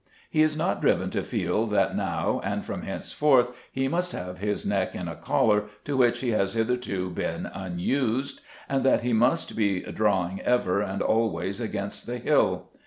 He is not driven to feel that now and from henceforth he must have his neck in a collar to which he has hitherto been unused, and that he must be drawing ever and always against the hill.